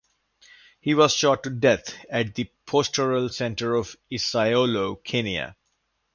He was shot to death at the pastoral center of Isiolo, Kenya.